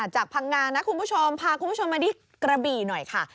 จากพังงานนะครูผู้ชมพามาดิกระบีหน่อยค่ะ